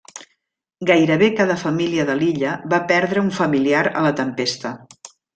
Gairebé cada família de l'illa va perdre un familiar a la tempesta.